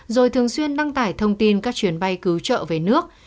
rồi thường xuyên đăng tải thông tin các chuyến bay cứu trợ về nước